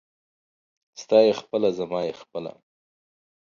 ستا يې خپله ، زما يې خپله.